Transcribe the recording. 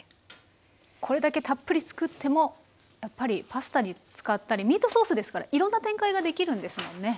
これだけたっぷり作ってもやっぱりパスタに使ったりミートソースですからいろんな展開ができるんですもんね。